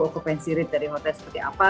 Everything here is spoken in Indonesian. oke pensi dari hotel seperti apa